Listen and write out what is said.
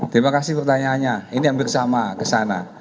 terima kasih pertanyaannya ini yang bersama kesana